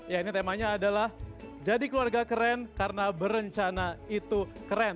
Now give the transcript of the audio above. ya ini temanya adalah jadi keluarga keren karena berencana itu keren